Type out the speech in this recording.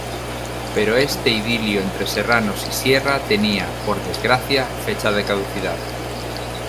Pero este idilio entre serranos y sierra tenía, por desgracia, fecha de caducidad.